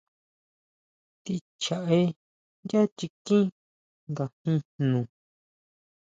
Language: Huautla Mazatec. Tʼín chjaʼé yá chikín ngajín jno.